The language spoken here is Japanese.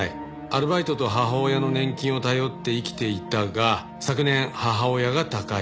アルバイトと母親の年金を頼って生きていたが昨年母親が他界。